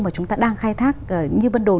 mà chúng ta đang khai thác như vân đồn